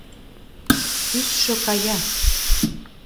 Тӱсшӧ кая.